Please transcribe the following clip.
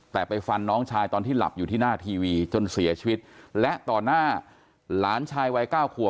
แต่ไปฟันน้องชายตอนที่หลับอยู่ที่หน้าทีวีจนเสียชีวิตและต่อหน้าหลานชายวัยเก้าขวบ